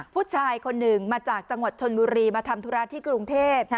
ผู้ชายคนหนึ่งมาจากจังหวัดชนบุรีมาทำธุระที่กรุงเทพ